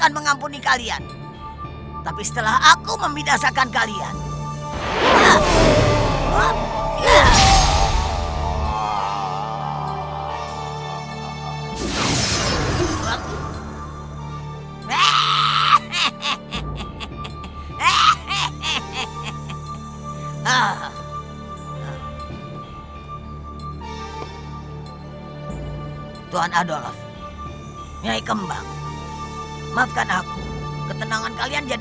ternyata itu adalah siluman harimau